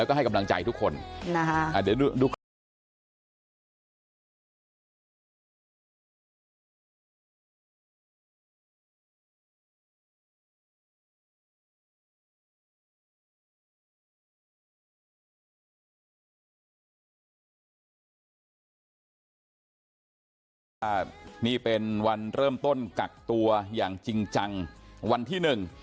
วันนี้เป็นวันเริ่มต้นกักตัวอย่างจริงจังวันที่หนึ่ง